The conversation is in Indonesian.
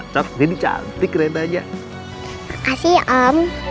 terima kasih om